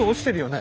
ね